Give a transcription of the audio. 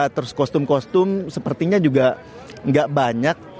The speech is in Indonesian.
terus kostum kostum sepertinya juga nggak banyak